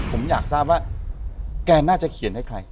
ผมอยากทราบว่าแกน่าจะเขียนให้ใคร